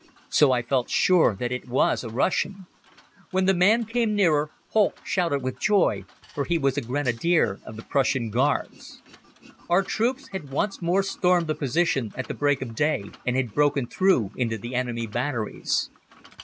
So I felt sure that it was a Russian. When the man came nearer Holck shouted with joy, for he was a Grenadier of the Prussian Guards. Our troops had once more stormed the position at the break of day and had broken through into the enemy batteries.